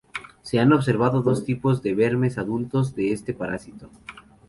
Se han observado dos tipos de vermes adultos de este parásito.